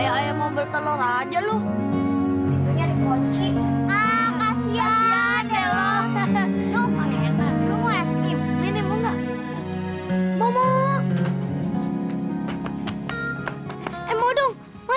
yah kasihan lah udah capek lapar bunyiin lagi